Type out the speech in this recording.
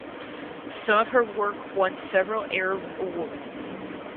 Some of her work won several Arab awards.